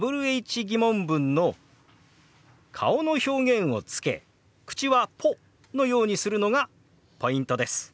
ー疑問文の顔の表現をつけ口は「ポ」のようにするのがポイントです。